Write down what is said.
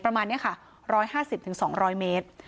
ประมาณเนี้ยค่ะร้อยห้าสิบถึงสองร้อยเมตร